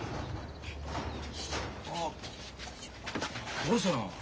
どうしたの？